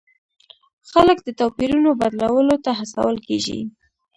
خلک د توپیرونو بدلولو ته هڅول کیږي.